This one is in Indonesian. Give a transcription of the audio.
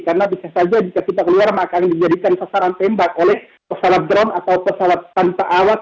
karena bisa saja jika kita keluar maka akan dijadikan sasaran tembak oleh pesawat drone atau pesawat tanpa awak